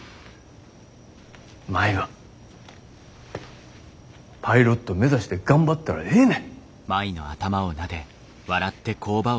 舞はパイロット目指して頑張ったらええね。